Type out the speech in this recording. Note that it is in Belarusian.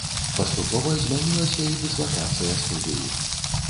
Паступова змянілася і дыслакацыя студыі.